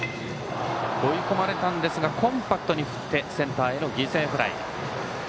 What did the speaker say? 追い込まれたんですがコンパクトに振ってセンターへの犠牲フライ。